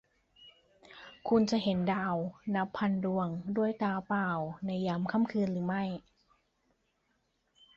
คุณจะสามารถเห็นดาวนับพันดวงด้วยตาเปล่าในยามค่ำคืนหรือไม่ ?